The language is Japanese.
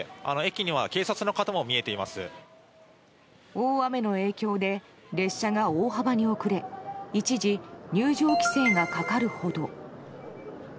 大雨の影響で列車が大幅に遅れ一時、入場規制がかかるほど。